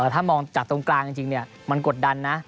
ถ้ามองจากตรงกลางจริงมันกดดันนะ